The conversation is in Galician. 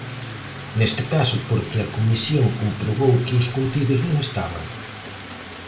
Neste caso porque a Comisión comprobou que os contidos non estaban.